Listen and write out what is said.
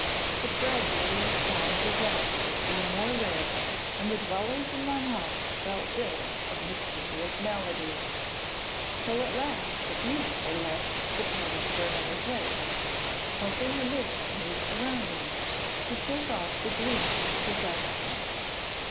But gradually sounds of laughter grew more rare and the dwellers in the house fell ill of mysterious maladies, till at last the few that were left departed for another place, hoping amidst new surroundings to shake off the gloom which possessed them.